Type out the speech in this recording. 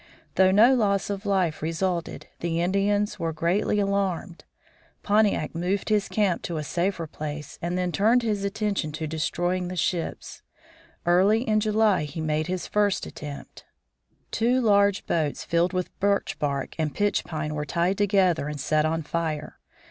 Though no loss of life resulted, the Indians were greatly alarmed. Pontiac moved his camp to a safer place and then turned his attention to destroying the ships. Early in July he made his first attempt. Two large boats filled with birch bark and pitch pine were tied together and set on fire.